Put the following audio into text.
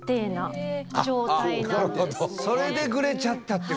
それでグレちゃったってこと。